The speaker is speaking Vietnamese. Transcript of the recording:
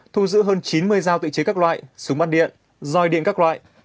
thu giữ hơn chín mươi dao tội chế các loại súng bắn điện dòi điện các loại